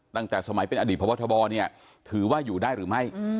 ตั้งแต่สมัยเป็นอดีตพบทบเนี่ยถือว่าอยู่ได้หรือไม่